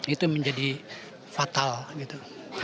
itu menjadi fatal gitu